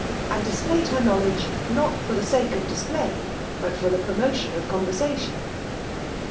and displayed her knowledge^ not for the sake of displayj bat for ^ tbe promotion of conversation.